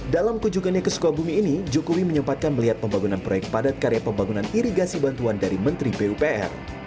dalam kunjungannya ke sukabumi ini jokowi menyempatkan melihat pembangunan proyek padat karya pembangunan irigasi bantuan dari menteri pupr